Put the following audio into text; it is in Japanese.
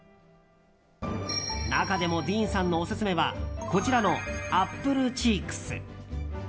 中でもディーンさんのオススメはこちらのアップルチークス。